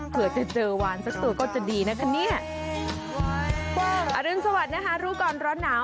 เผื่อจะเจอวานสักตัวก็จะดีนะคะเนี่ยอรุณสวัสดิ์นะคะรู้ก่อนร้อนหนาว